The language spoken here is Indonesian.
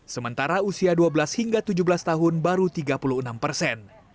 sementara usia dua belas hingga tujuh belas tahun baru tiga puluh enam persen